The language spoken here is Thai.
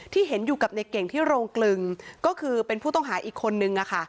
เห็นอยู่กับในเก่งที่โรงกลึงก็คือเป็นผู้ต้องหาอีกคนนึง